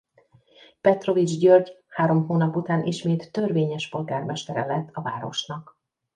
Petrovics György három hónap után ismét törvényes polgármestere lett a városnak.